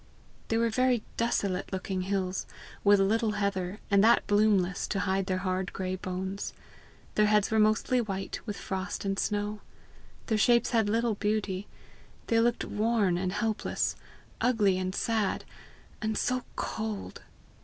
They were very desolate looking hills, with little heather, and that bloomless, to hide their hard gray bones. Their heads were mostly white with frost and snow; their shapes had little beauty; they looked worn and hopeless, ugly and sad and so cold!